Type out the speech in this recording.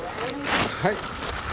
はい。